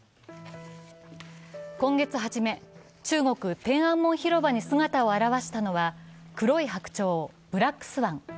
今月初め、中国・天安門広場に姿を現したのは黒い白鳥、ブラックスワン。